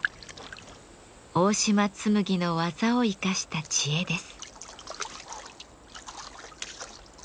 大島紬の技を生かした知恵です。